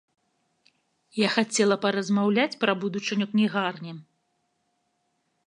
Я хацела паразмаўляць пра будучыню кнігарні.